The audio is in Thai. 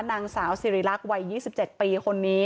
นางสาวสิริรักษ์วัย๒๗ปีคนนี้